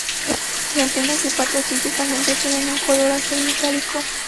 Sus antenas y patas típicamente tienen un color azul metálico.